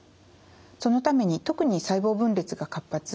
そのために特に細胞分裂が活発。